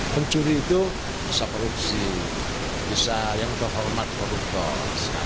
pencuri itu bisa korupsi bisa yang berformat koruptor